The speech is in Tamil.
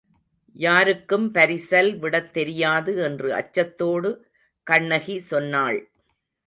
யாருக்கும் பரிசல்விடத் தெரியாது என்று அச்சத்தோடு கண்ணகி சொன்னாள்.